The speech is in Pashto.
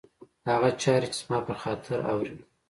هغه چاري چي زما پر خاطر اوري